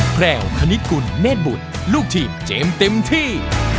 แพรวคณิกุลเนธบุตรลูกทีมเจมส์เต็มที่